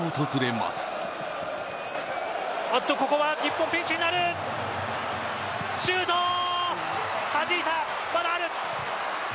まだある。